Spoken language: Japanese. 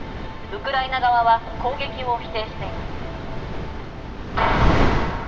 ウクライナ側は攻撃を否定しています。